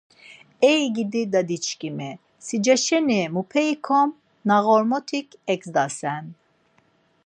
Ey gidi dadiçkimi, sica şeni mupe ikom, na ğormotik egzdasen?